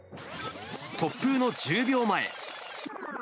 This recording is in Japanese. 突風の１０秒前。